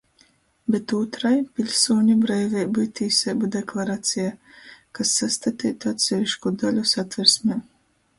Bet ūtrai — piļsūņu breiveibu i tīseibu deklaraceja, kas sastateitu atsevišku daļu Satversmē.